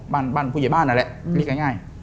บ้านผู้ใหญ่บ้านนั่นแหละเรียกง่าย